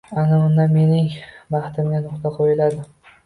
Ana unda mening baxtimga nuqta qo`yiladi